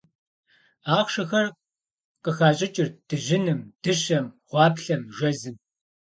Ахъшэхэр къыхащӏыкӏырт дыжьыным, дыщэм, гъуаплъэм, жэзым.